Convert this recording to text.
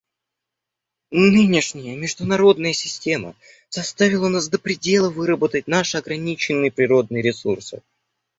Нынешняя международная система заставила нас до предела выработать наши ограниченные природные ресурсы.